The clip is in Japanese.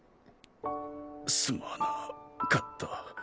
すまなかった。